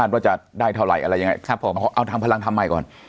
ว่าจะได้เท่าไหร่อะไรยังไงเอาทำพลังทำใหม่ก่อน